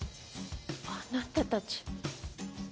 あなたたち。